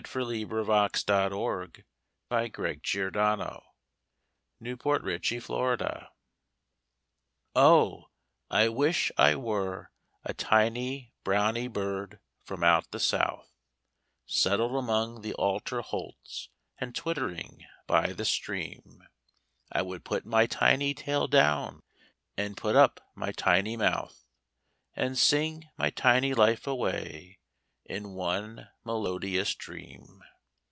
Curuck Coo, You love me and I love you.' 1872. VALENTINE'S DAY Oh! I wish I were a tiny browny bird from out the south, Settled among the alder holts, and twittering by the stream; I would put my tiny tail down, and put up my tiny mouth, And sing my tiny life away in one melodious dream.